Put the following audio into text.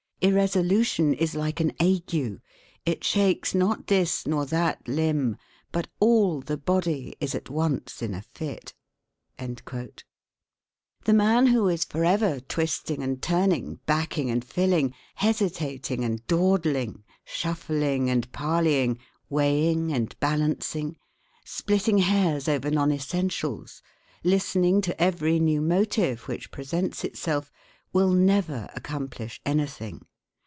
Irresolution is like an ague; it shakes not this nor that limb, but all the body is at once in a fit." The man who is forever twisting and turning, backing and filling, hesitating and dawdling, shuffling and parleying, weighing and balancing, splitting hairs over non essentials, listening to every new motive which presents itself, will never accomplish anything.